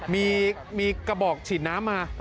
มีกระบอกฉีดน้ำมา